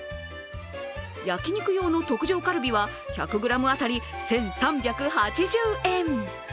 焼き肉用の特上カルビは１００ｇ当たり１３８０円。